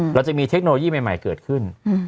เราจะมีเทคโนโลยีใหม่เกิดขึ้น